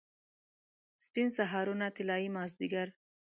سپین سهارونه، طلايي مازدیګر